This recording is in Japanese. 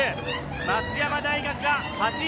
松山大学が８位。